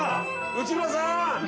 内村さん。